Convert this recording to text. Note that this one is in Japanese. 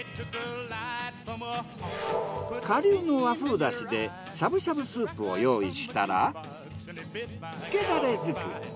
顆粒の和風だしでしゃぶしゃぶスープを用意したらつけだれ作り。